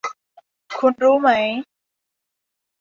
คุณรู้ไหม